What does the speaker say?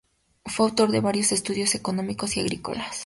Fue autor de varios estudios económicos y agrícolas.